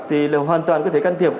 thì là hoàn toàn có thể can thiệp